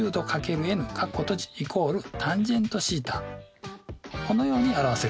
このように表せるんです。